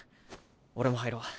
俺も入ろう。